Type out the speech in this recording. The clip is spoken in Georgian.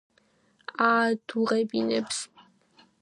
აადუღებინებს